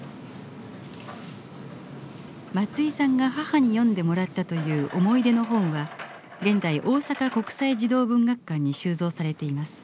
松居さんが母に読んでもらったという思い出の本は現在大阪国際児童文学館に収蔵されています。